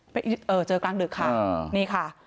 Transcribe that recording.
ไปเจอกลางดึกค่ะนี่ค่ะ